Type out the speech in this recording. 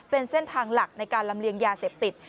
เป็นเส้นทางหลักในการลำเลียงยาเสพติด